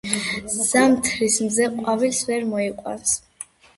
ზამთრის მზე ყვავილს ვერ მოიყვანს